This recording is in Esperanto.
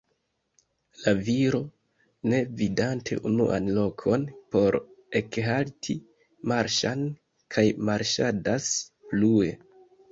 La viro, ne vidante unuan lokon por ekhalti, marŝas kaj marŝadas plue.